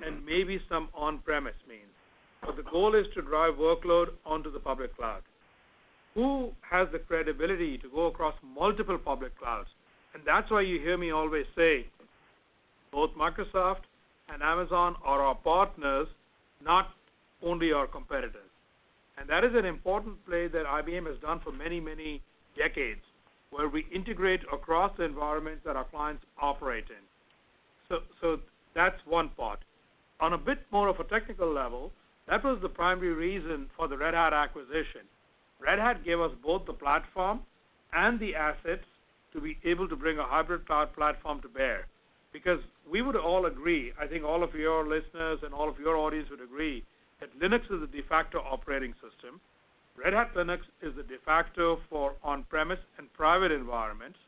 and maybe some on-premise means. The goal is to drive workload onto the public cloud. Who has the credibility to go across multiple public clouds? That's why you hear me always say both Microsoft and Amazon are our partners, not only our competitors. That is an important play that IBM has done for many, many decades, where we integrate across the environments that our clients operate in. That's one part. On a bit more of a technical level, that was the primary reason for the Red Hat acquisition. Red Hat gave us both the platform and the assets to be able to bring a hybrid cloud platform to bear, because we would all agree, I think all of your listeners and all of your audience would agree, that Linux is a de facto operating system. Red Hat Linux is a de facto for on-premise and private environments.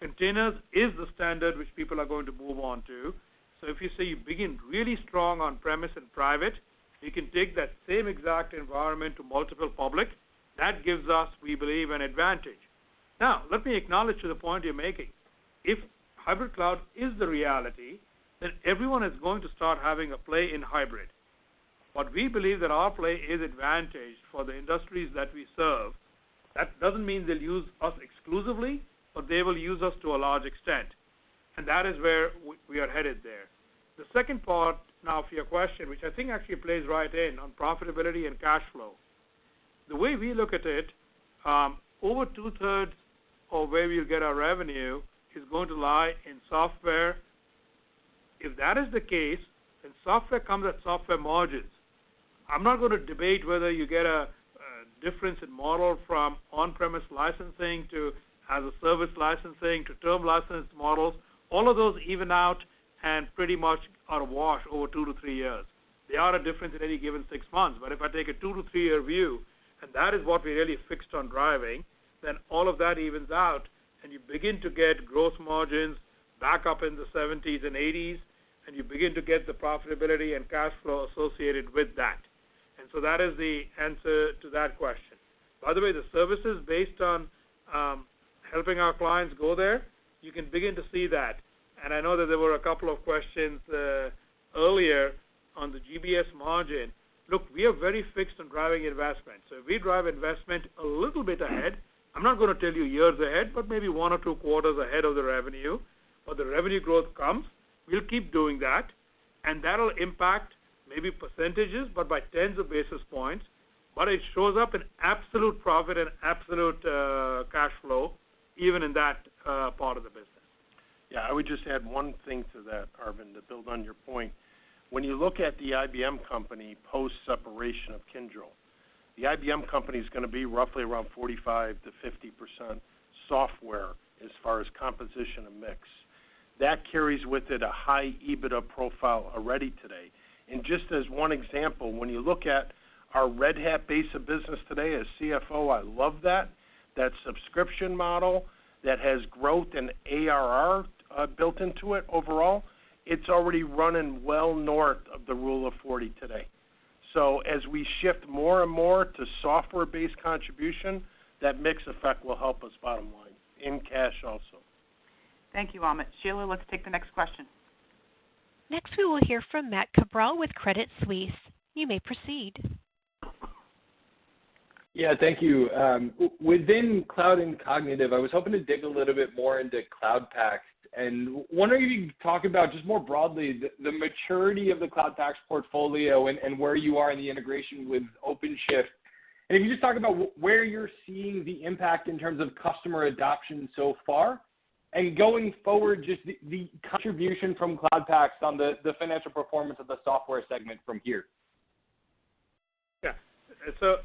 Containers is the standard which people are going to move on to. If you say you begin really strong on-premise and private, you can take that same exact environment to multiple public. That gives us, we believe, an advantage. Let me acknowledge to the point you're making. If hybrid cloud is the reality, then everyone is going to start having a play in hybrid. We believe that our play is advantaged for the industries that we serve. That doesn't mean they'll use us exclusively, but they will use us to a large extent. That is where we are headed there. The second part now for your question, which I think actually plays right in on profitability and cash flow. The way we look at it, over 2/3 of where we get our revenue is going to lie in software. If that is the case, then software comes at software margins. I'm not going to debate whether you get a difference in model from on-premise licensing to as-a-service licensing to term license models. All of those even out and pretty much are washed over two-three years. They are different in any given six months. If I take a two-year to three-year view, and that is what we really fixed on driving, then all of that evens out, and you begin to get gross margins back up in the 1970s and 1980s, and you begin to get the profitability and cash flow associated with that. That is the answer to that question. By the way, the services based on helping our clients go there, you can begin to see that. I know that there were a couple of questions earlier on the GBS margin. Look, we are very fixed on driving investment. We drive investment a little bit ahead. I'm not going to tell you years ahead, but maybe one or two quarters ahead of the revenue, or the revenue growth comes. We'll keep doing that, and that'll impact maybe percentages, but by tens of basis points, but it shows up in absolute profit and absolute cash flow even in that part of the business. Yeah, I would just add one thing to that, Arvind, to build on your point. When you look at the IBM company post-separation of Kyndryl, the IBM company is going to be roughly around 45%-50% software as far as composition of mix. That carries with it a high EBITDA profile already today. Just as one example, when you look at our Red Hat base of business today, as CFO, I love that. That subscription model that has growth and ARR built into it overall, it's already running well north of the rule of 40 today. As we shift more and more to software-based contribution, that mix effect will help us bottom line in cash also. Thank you, Amit. Sheila, let's take the next question. Next, we will hear from Matt Cabral with Credit Suisse. You may proceed. Yeah. Thank you. Within Cloud and Cognitive, I was hoping to dig a little bit more into Cloud Pak, wondering if you can talk about, just more broadly, the maturity of the Cloud Pak's portfolio and where you are in the integration with OpenShift. If you could just talk about where you're seeing the impact in terms of customer adoption so far, and going forward, just the contribution from Cloud Paks on the financial performance of the software segment from here.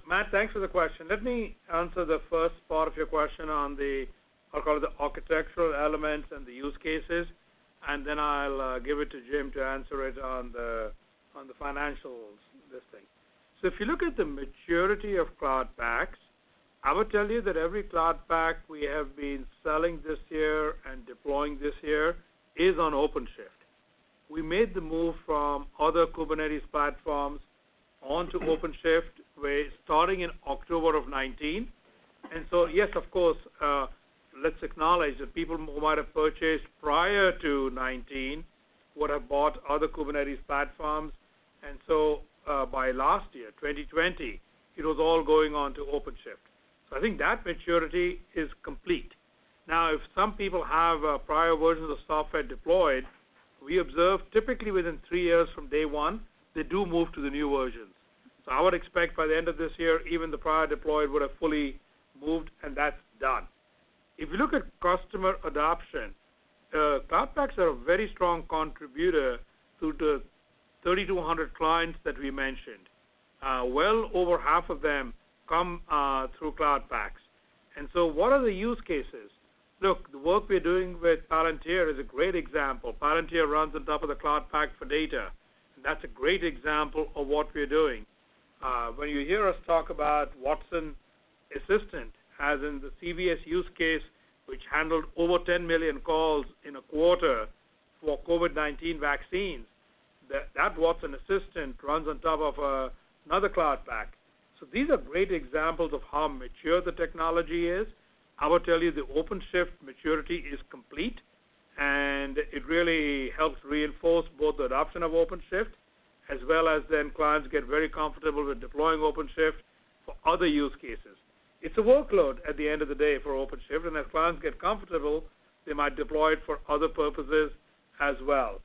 Matt, thanks for the question. Let me answer the first part of your question on the, I'll call it the architectural elements and the use cases, and then I'll give it to Jim to answer it on the financials this thing. If you look at the maturity of Cloud Paks, I would tell you that every Cloud Pak we have been selling this year and deploying this year is on OpenShift. We made the move from other Kubernetes platforms onto OpenShift starting in October of 2019. Yes, of course, let's acknowledge that people who might have purchased prior to 2019 would've bought other Kubernetes platforms. By last year, 2020, it was all going onto OpenShift. I think that maturity is complete. Now, if some people have prior versions of software deployed, we observe typically within three years from day one, they do move to the new versions. I would expect by the end of this year, even the prior deployed would've fully moved, and that's done. If you look at customer adoption, Cloud Paks are a very strong contributor to the 3,200 clients that we mentioned. Well over half of them come through Cloud Paks. What are the use cases? Look, the work we are doing with Palantir is a great example. Palantir runs on top of the Cloud Pak for Data, and that's a great example of what we are doing. When you hear us talk about Watson Assistant, as in the CVS use case, which handled over 10 million calls in quarter for COVID-19 vaccines, that Watson Assistant runs on top of another Cloud Pak. These are great examples of how mature the technology is. I would tell you the OpenShift maturity is complete, and it really helps reinforce both the adoption of OpenShift as well as then clients get very comfortable with deploying OpenShift for other use cases. It's a workload at the end of the day for OpenShift, and as clients get comfortable, they might deploy it for other purposes as well.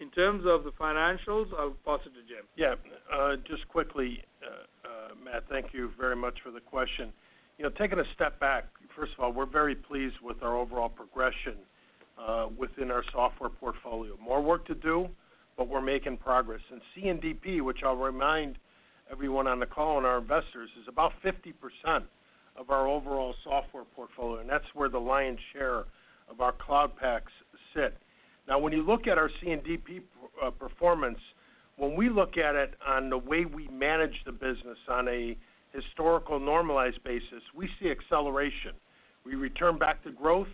In terms of the financials, I'll pass it to Jim. Just quickly, Matt, thank you very much for the question. Taking a step back, first of all, we're very pleased with our overall progression within our software portfolio. More work to do, we're making progress. C&DP, which I'll remind everyone on the call and our investors, is about 50% of our overall software portfolio, and that's where the lion's share of our Cloud Paks sit. When you look at our C&DP performance, when we look at it on the way we manage the business on a historical normalized basis, we see acceleration. We return back to growth.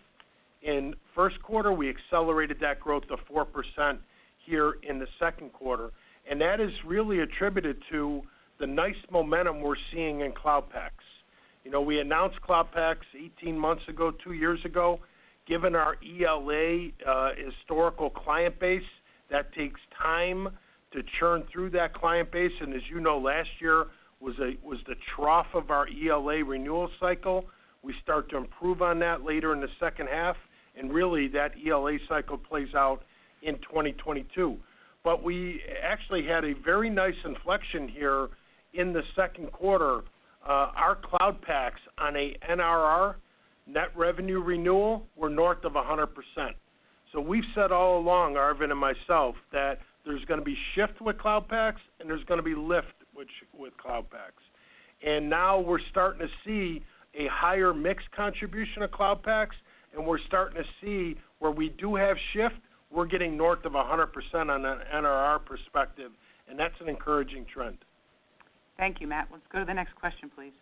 In first quarter, we accelerated that growth to 4% here in the second quarter, and that is really attributed to the nice momentum we're seeing in Cloud Paks. We announced Cloud Paks 18 months ago, two years ago. Given our ELA historical client base, that takes time to churn through that client base. As you know, last year was the trough of our ELA renewal cycle. We start to improve on that later in the second half. Really, that ELA cycle plays out in 2022. We actually had a very nice inflection here in the second quarter. Our Cloud Paks on a NRR, net revenue renewal, were north of 100%. We've said all along, Arvind and myself, that there's going to be shift with Cloud Paks and there's going to be lift with Cloud Paks. Now we're starting to see a higher mix contribution of Cloud Paks, and we're starting to see where we do have shift, we're getting north of 100% on an NRR perspective. That's an encouraging trend. Thank you, Matt. Let's go to the next question, please.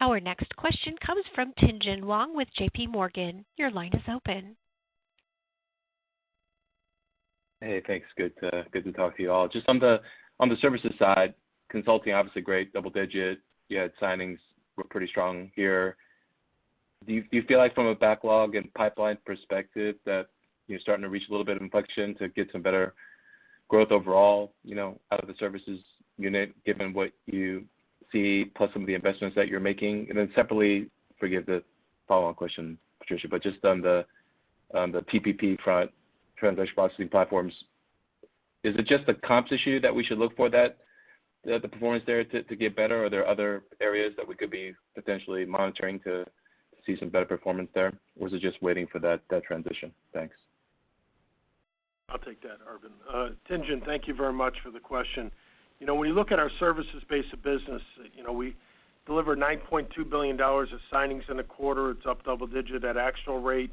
Our next question comes from Tien-Tsin Huang with JPMorgan. Your line is open. Thanks. Good to talk to you all. On the services side, consulting, obviously great, double-digit. Signings were pretty strong here. Do you feel like from a backlog and pipeline perspective that you're starting to reach a little bit of inflection to get some better growth overall out of the services unit given what you see plus some of the investments that you're making? Separately, forgive the follow-on question, Patricia, on the TPP front, transaction processing platforms, is it just a comps issue that we should look for the performance there to get better? Are there other areas that we could be potentially monitoring to see some better performance there? Is it just waiting for that transition? Thanks. I'll take that, Arvind. Tien-Tsin, thank you very much for the question. When you look at our service-based business, we delivered $9.2 billion of signings in a quarter. It's up double digit at actual rate.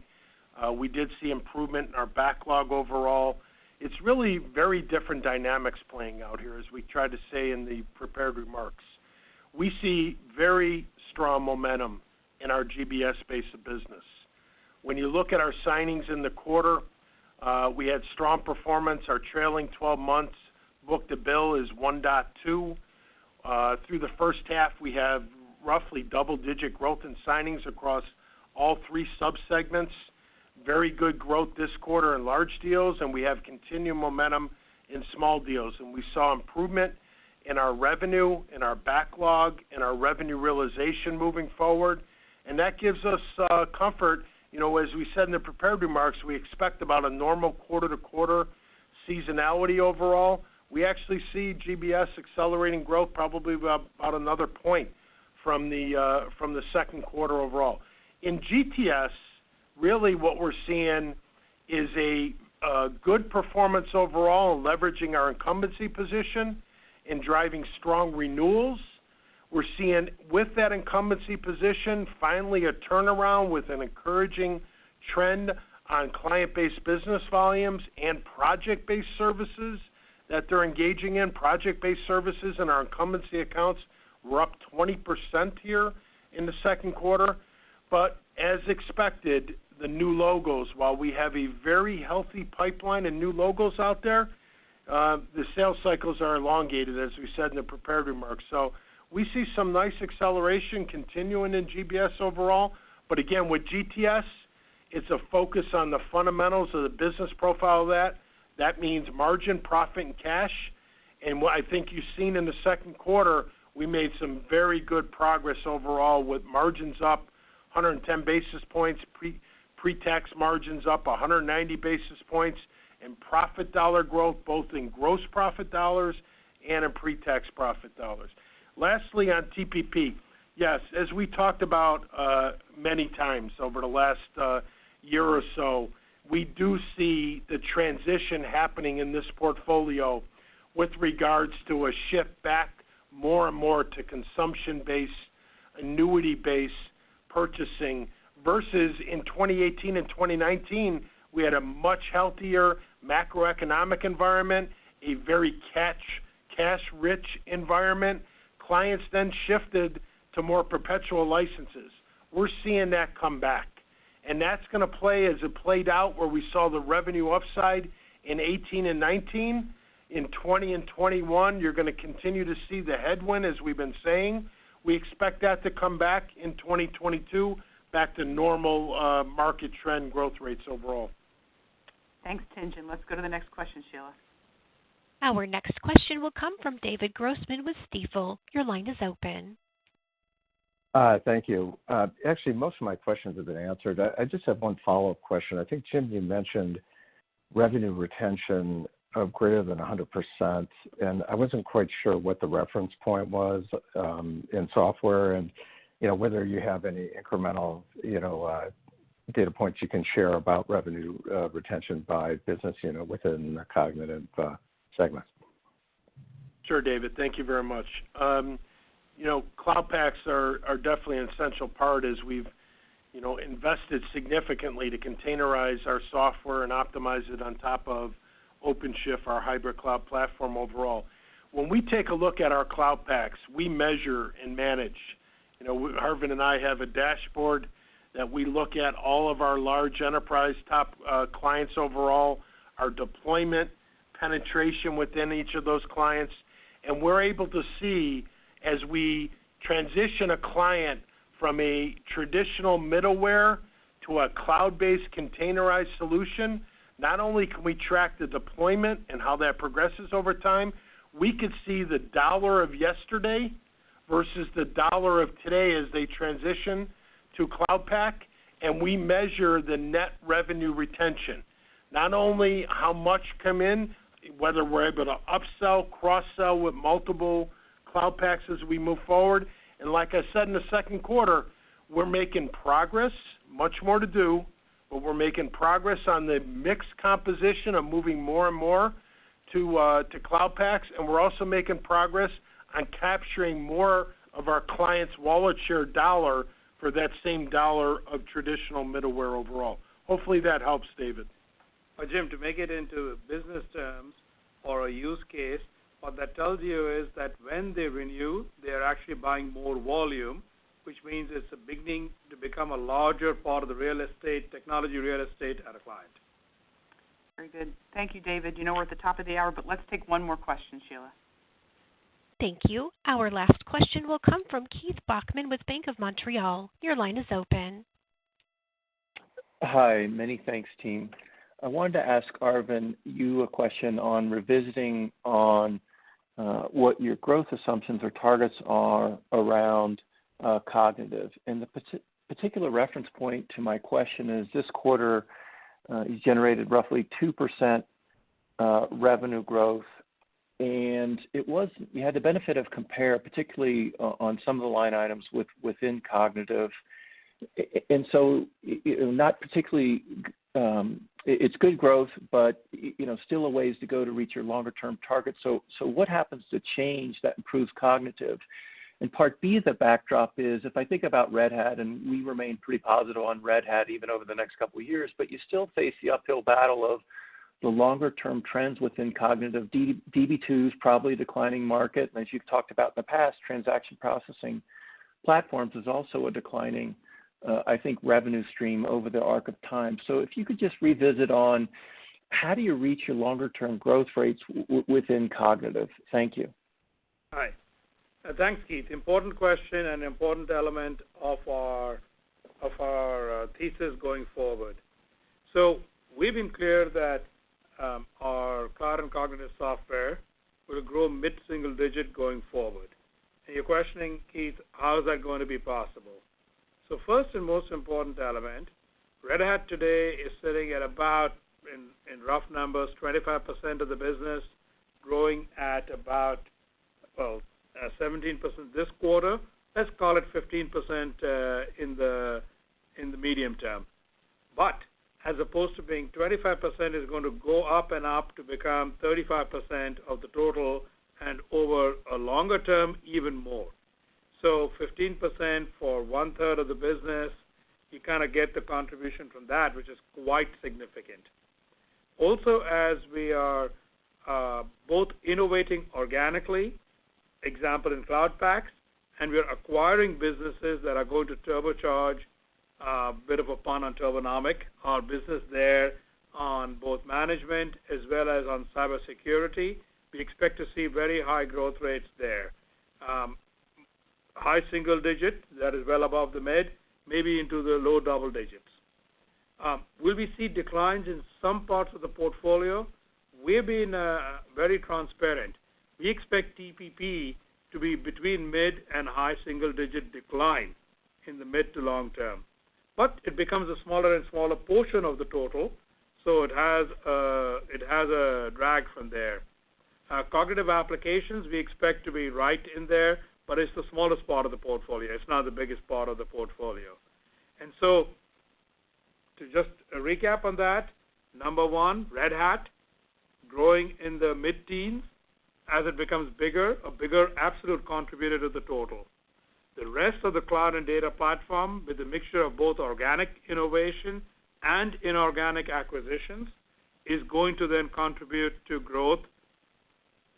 We did see improvement in our backlog overall. It's really very different dynamics playing out here, as we tried to say in the prepared remarks. We see very strong momentum in our GBS base of business. When you look at our signings in the quarter, we had strong performance. Our trailing 12 months book-to-bill is 1.2. Through the first half, we have roughly double-digit growth in signings across all three sub-segments. Very good growth this quarter in large deals, and we have continued momentum in small deals. We saw improvement in our revenue, in our backlog, and our revenue realization moving forward, and that gives us comfort. As we said in the prepared remarks, we expect about a normal quarter-to-quarter seasonality overall. We actually see GBS accelerating growth probably about another point from the second quarter overall. In GTS, really what we're seeing is a good performance overall in leveraging our incumbency position and driving strong renewals. We're seeing with that incumbency position finally a turnaround with an encouraging trend on client-based business volumes and project-based services that they're engaging in. Project-based services in our incumbency accounts were up 20% here in the second quarter. As expected, the new logos, while we have a very healthy pipeline and new logos out there, the sales cycles are elongated, as we said in the prepared remarks. We see some nice acceleration continuing in GBS overall. Again, with GTS, it's a focus on the fundamentals of the business profile of that. That means margin, profit, and cash. What I think you've seen in the second quarter, we made some very good progress overall with margins up 110 basis points, pre-tax margins up 190 basis points, and profit dollar growth both in gross profit dollars and in pre-tax profit dollars. Lastly, on TPP, yes, as we talked about many times over the last year or so, we do see the transition happening in this portfolio with regards to a shift back more and more to consumption-based, annuity-based purchasing versus in 2018 and 2019, we had a much healthier macroeconomic environment, a very cash-rich environment. Clients shifted to more perpetual licenses. We're seeing that come back, and that's going to play as it played out where we saw the revenue upside in 2018 and 2019. In 2020 and 2021, you're going to continue to see the headwind, as we've been saying. We expect that to come back in 2022, back to normal market trend growth rates overall. Thanks, Jim. Let's go to the next question, Sheila. Our next question will come from David Grossman with Stifel. Your line is open. Thank you. Actually, most of my questions have been answered. I just have one follow-up question. I think, Jim, you mentioned revenue retention of greater than 100%. I wasn't quite sure what the reference point was in software and whether you have any incremental data points you can share about revenue retention by business within the cognitive segment. Sure, David. Thank you very much. Cloud Paks are definitely an essential part as we've invested significantly to containerize our software and optimize it on top of OpenShift, our hybrid cloud platform overall. When we take a look at our Cloud Paks, we measure and manage. Arvind and I have a dashboard that we look at all of our large enterprise top clients overall, our deployment penetration within each of those clients, and we're able to see as we transition a client from a traditional middleware to a cloud-based containerized solution, not only can we track the deployment and how that progresses over time, we could see the dollar of yesterday versus the dollar of today as they transition to Cloud Pak, and we measure the net revenue retention, not only how much come in, whether we're able to upsell, cross-sell with multiple Cloud Paks as we move forward. Like I said, in the second quarter, we're making progress. Much more to do, but we're making progress on the mix composition of moving more and more to Cloud Paks, and we're also making progress on capturing more of our clients' wallet share dollar for that same dollar of traditional middleware overall. Hopefully that helps, David. Jim, to make it into business terms or a use case, what that tells you is that when they renew, they are actually buying more volume, which means it is beginning to become a larger part of the technology real estate at a client. Very good. Thank you, David. You know we're at the top of the hour, but let's take one more question, Sheila. Thank you. Our last question will come from Keith Bachman with Bank of Montreal. Your line is open. Hi. Many thanks, team. I wanted to ask Arvind, you a question on revisiting on what your growth assumptions or targets are around Cognitive. The particular reference point to my question is this quarter you generated roughly 2% revenue growth, and you had the benefit of compare, particularly on some of the line items within Cognitive. It's good growth, but still a ways to go to reach your longer-term target. What happens to change that improves Cognitive? Part B of the backdrop is if I think about Red Hat, and we remain pretty positive on Red Hat even over the next couple of years, but you still face the uphill battle of the longer-term trends within Cognitive. Db2's probably a declining market. As you've talked about in the past, transaction processing platforms is also a declining, I think, revenue stream over the arc of time. If you could just revisit on how do you reach your longer-term growth rates within cognitive? Thank you. Hi. Thanks, Keith. Important question and important element of our thesis going forward. We've been clear that our Cloud and Cognitive Software will grow mid-single digit going forward. You're questioning, Keith, how is that going to be possible? First and most important element, Red Hat today is sitting at about, in rough numbers, 25% of the business growing at about, well, 17% this quarter. Let's call it 15% in the medium term. As opposed to being 25%, is going to go up and up to become 35% of the total and over a longer term, even more. 15% for one-third of the business, you kind of get the contribution from that, which is quite significant. As we are both innovating organically, example in Cloud Paks, and we are acquiring businesses that are going to turbocharge, a bit of a pun on Turbonomic, our business there on both management as well as on cybersecurity. We expect to see very high growth rates there. High single-digit that is well above the mid, maybe into the low double-digits. Will we see declines in some parts of the portfolio? We've been very transparent. We expect TPP to be between mid- and high single-digit decline in the mid to long term, but it becomes a smaller and smaller portion of the total, so it has a drag from there. Cognitive Applications we expect to be right in there, but it's the smallest part of the portfolio. It's not the biggest part of the portfolio. To just recap on that, number one, Red Hat growing in the mid-teens as it becomes bigger, a bigger absolute contributor to the total. The rest of the cloud and data platform with a mixture of both organic innovation and inorganic acquisitions is going to then contribute to growth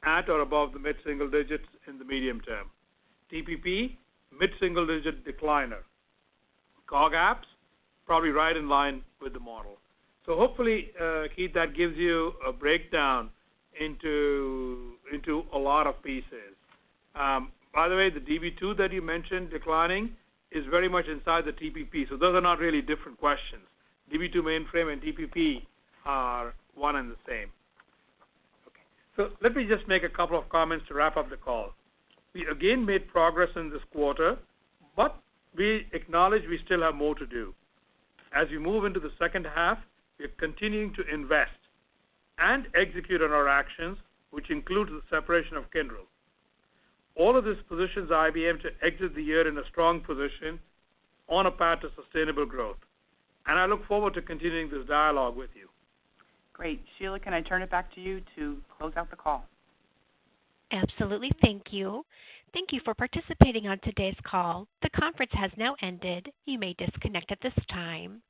at or above the mid-single digits in the medium term. TPP, mid-single digit decliner. Cog Apps, probably right in line with the model. Hopefully, Keith, that gives you a breakdown into a lot of pieces. By the way, the Db2 that you mentioned declining is very much inside the TPP, so those are not really different questions. Db2 mainframe and TPP are one and the same. Okay. Let me just make a couple of comments to wrap up the call. We again made progress in this quarter, but we acknowledge we still have more to do. As we move into the second half, we are continuing to invest and execute on our actions, which includes the separation of Kyndryl. All of this positions IBM to exit the year in a strong position on a path to sustainable growth. I look forward to continuing this dialogue with you. Great. Sheila, can I turn it back to you to close out the call? Absolutely. Thank you. Thank you for participating on today's call. The conference has now ended. You may disconnect at this time.